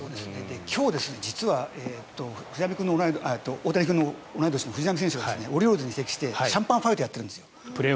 今日、実は大谷君の同い年の藤浪選手がオリオールズに移籍してシャンパンファイトをやってるんです。